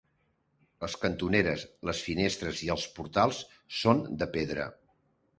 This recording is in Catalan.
Les cantoneres, les finestres i els portals són de pedra.